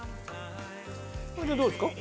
これでどうですか？